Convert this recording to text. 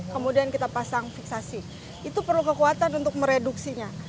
kemudian kita pasang fiksasi itu perlu kekuatan untuk mereduksinya